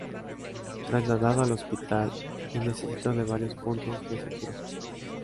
Trasladado al Hospital y necesito de varios puntos de sutura.